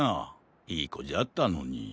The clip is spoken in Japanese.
いいこじゃったのに。